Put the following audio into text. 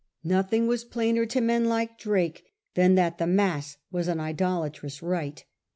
Nothing was plainer to men like Drake than that the Mass was an idolatrous rite.